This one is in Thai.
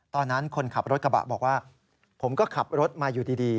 คนขับรถกระบะบอกว่าผมก็ขับรถมาอยู่ดี